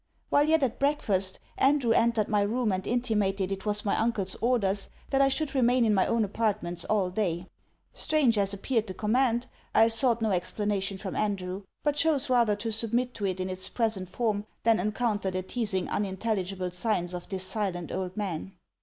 While yet at breakfast, Andrew entered my room and intimated it was my uncle's orders that I should remain in my own appartments all day. Strange as appeared the command, I sought no explanation from Andrew; but chose rather to submit to it in its present form, than encounter the teazing unintelligible signs of this silent old man.